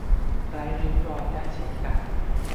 ไร้ริ้วรอยได้เช่นกัน